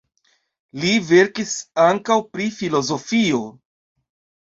Li verkis ankaŭ pri filozofio.